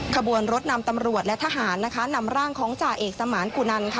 ขบวนรถนำตำรวจและทหารนะคะนำร่างของจ่าเอกสมานกุนันค่ะ